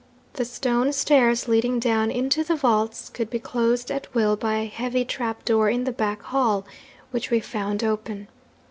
The stone stairs leading down into the vaults could be closed at will by a heavy trap door in the back hall, which we found open.